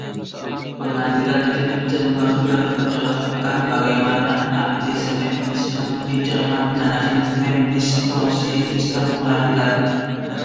Pengadilan Katzenberger mencontohkan bagaimana anti-Semitisme di Jerman Nazi mendistorsi sistem peradilan.